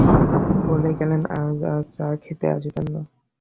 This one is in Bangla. বলে গেলেন, আজ আর চা খেতে আসবেন না।